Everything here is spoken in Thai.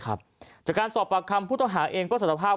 จากการสอบประคำผู้ต้องหาเองก็สังฤทธิ์ภาพ